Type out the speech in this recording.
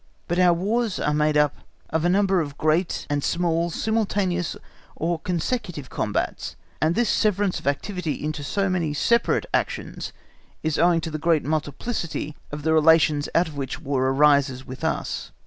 But our Wars are made up of a number of great and small simultaneous or consecutive combats, and this severance of the activity into so many separate actions is owing to the great multiplicity of the relations out of which War arises with us.